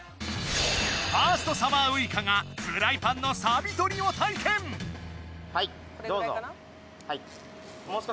ファーストサマーウイカがフライパンのサビ取りを体験はいどうぞこれぐらいかな？